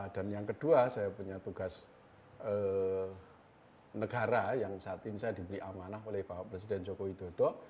dan yang kedua saya punya tugas negara yang saat ini saya diberi amanah oleh bapak presiden joko widodo